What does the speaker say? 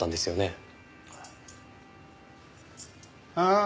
ああ？